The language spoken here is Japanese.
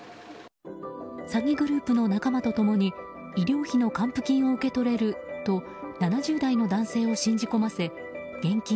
詐欺グループの仲間と共に医療費の還付金を受け取れると７０代の男性を信じ込ませ現金